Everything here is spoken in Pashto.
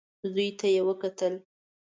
زوی ته يې وکتل.